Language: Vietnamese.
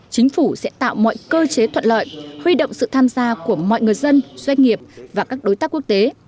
chính phủ sẽ tạo mọi cơ chế thuận lợi huy động sự tham gia của mọi người dân doanh nghiệp và các đối tác quốc tế